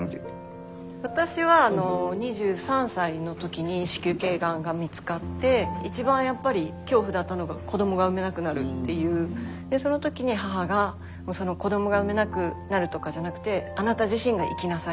私は２３歳のときに子宮頸がんが見つかって一番やっぱり恐怖だったのが子どもが産めなくなるっていうそのときに母が「子どもが産めなくなるとかじゃなくてあなた自身が生きなさい」と。